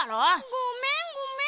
ごめんごめん。